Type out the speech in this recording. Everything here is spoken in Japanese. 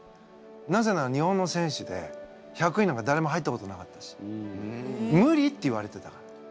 なぜなら日本の選手で１００位なんかだれも入ったことなかったし無理って言われてたから。